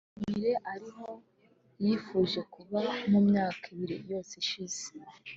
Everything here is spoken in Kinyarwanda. “ubu Miley ari aho yifuje kuba mu myaka ibiri yose ishize